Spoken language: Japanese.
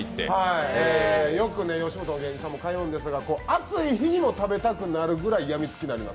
よく吉本の芸人さんも通うんですが、暑い日にも食べたくなるようなやみつきになります。